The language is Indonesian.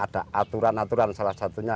ada aturan aturan salah satunya